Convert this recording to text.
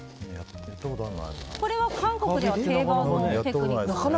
これは韓国では定番のテクニックですか？